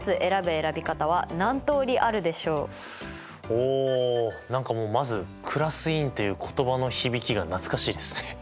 おお何かまずクラス委員っていう言葉の響きが懐かしいですね。